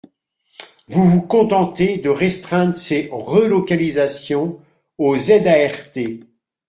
Vous vous contentez de restreindre ces relocalisations aux ZART.